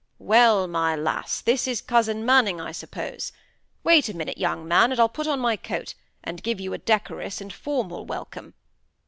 "Well, my lass, this is cousin Manning, I suppose. Wait a minute, young man, and I'll put on my coat, and give you a decorous and formal welcome.